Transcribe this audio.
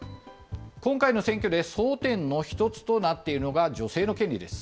今回の選挙で争点の１つとなっているのが女性の権利です。